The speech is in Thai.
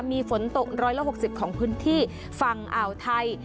มีฝนตก๑๖๐ของพื้นที่ฝั่งอ่าวไทย